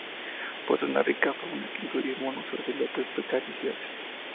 Posee una rica fauna que incluye monos, ocelotes, pecaríes, y aves.